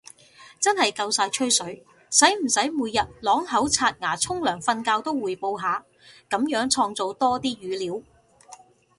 真係夠晒吹水，使唔使每日啷口刷牙沖涼瞓覺都滙報下，噉樣創造多啲語料